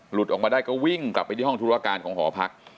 ออกมาได้ก็วิ่งกลับไปที่ห้องธุรการของหอพัก